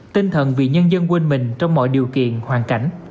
tinh thần vị nhân dân quân mình trong mọi điều kiện hoàn cảnh